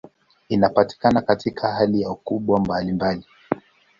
Inapatikana katika hali na ukubwa mbalimbali.